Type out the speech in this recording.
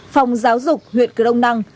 phòng giáo dục huyện cửa đông năng